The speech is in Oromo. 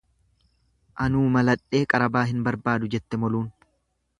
Anuu maladhee qarabaa hin barbaadu jette moluun.